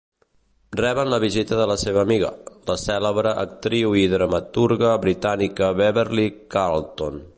Reben la visita de la seva amiga, la cèlebre actriu i dramaturga britànica Beverly Carlton.